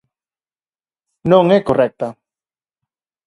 Non é correcta.